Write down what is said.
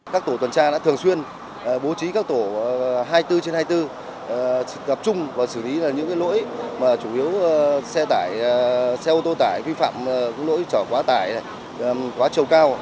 các tổ tuần tra đã thường xuyên bố trí các tổ hai mươi bốn trên hai mươi bốn tập trung và xử lý những lỗi mà chủ yếu xe tải xe ô tô tải vi phạm lỗi chở quá tải quá trầu cao